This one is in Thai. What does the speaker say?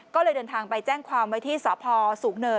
ก็เลยเดินทางไปแจ้งความไว้ที่สพสูงเนิน